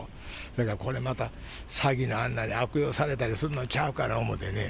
だからこれまた、詐欺なんかに悪用されたりするんちゃうかな思ってね。